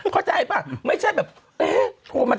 เข้าใจปะไม่ใช่แบบโทรมา